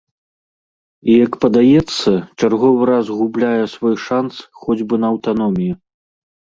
І, як падаецца, чарговы раз губляе свой шанц хоць бы на аўтаномію.